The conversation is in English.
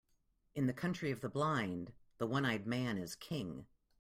In the country of the blind, the one-eyed man is king.